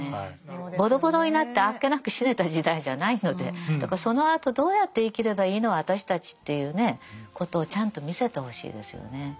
ボロボロになってあっけなく死ねた時代じゃないのでそのあとどうやって生きればいいの私たちっていうねことをちゃんと見せてほしいですよね。